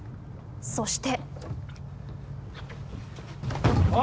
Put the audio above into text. そして。